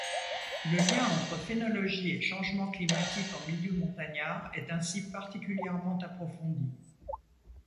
Le lien entre phénologie et changement climatique en milieu montagnard est ainsi particulièrement approfondi.